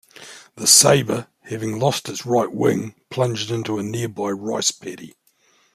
The Sabre, having lost its right wing, plunged into a nearby rice paddy.